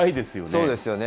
そうですよね。